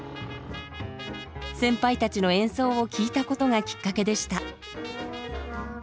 先輩たちの演奏を聴いたことがきっかけでした。